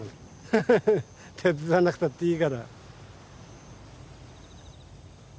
ハハハ手伝わなくたっていいから。